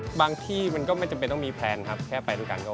เราจะหาจุดตรงกลางที่ผมและเขาสามารถไปทุกกันได้ครับ